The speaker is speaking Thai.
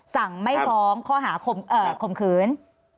สั่งไม่พร้อมข้อหาคมคืน